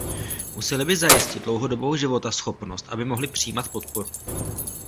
Musely by zajistit dlouhodobou životaschopnost, aby mohly přijímat podporu.